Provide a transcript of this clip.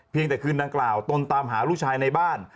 แต่คืนดังกล่าวตนตามหาลูกชายในบ้าน